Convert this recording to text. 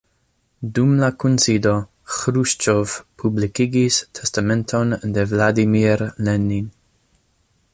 Dum la kunsido, Ĥruŝĉov publikigis testamenton de Vladimir Lenin.